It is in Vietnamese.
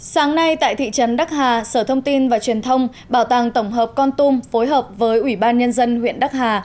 sáng nay tại thị trấn đắc hà sở thông tin và truyền thông bảo tàng tổng hợp con tum phối hợp với ủy ban nhân dân huyện đắc hà